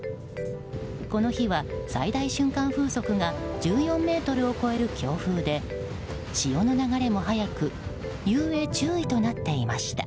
この日は最大瞬間風速が１４メートルを超える強風で潮の流れも速く遊泳注意となっていました。